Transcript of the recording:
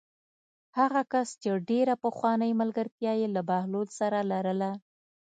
هغه کس چې ډېره پخوانۍ ملګرتیا یې له بهلول سره لرله.